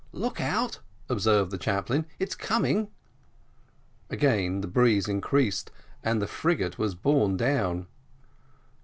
"Look out," observed the chaplain, "it's coming." Again the breeze increased, and the frigate was borne down.